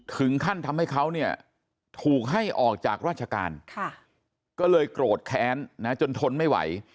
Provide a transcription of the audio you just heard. ถึงขั้นทำให้เขาเนี่ยถูกให้ออกจากราชการก็เลยโกรธแค้นนะจนทนไม่ไหว